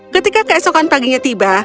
ketika keesokan paginya tiba